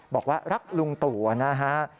บอกว่ารักลุงตู่นะฮะ